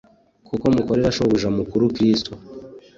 kuko mukorera shobuja mukuru kristo